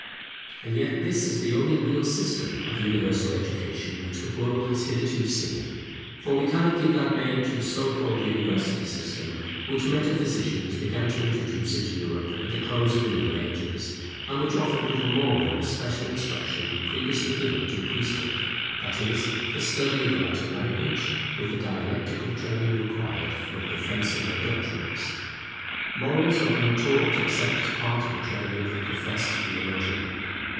And yet this is the only real system of universal education which the world has hitherto seen. For we cannot give that name to the so called University system which metaphysicians began to introduce into Europe at the close of the Middle Ages; and which offered little more than the special instruction previously given to the priesthood; that is, the study of the Latin language, with the dialectical training required for the defence of their doctrines. Morals were untaught except as a part of the training of the professed theologian.